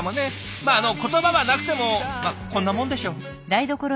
まあ言葉はなくてもこんなもんでしょう。